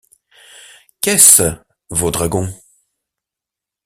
Qu’est-ce, Vaudragon ?